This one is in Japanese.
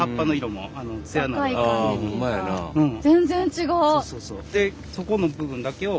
全然違う！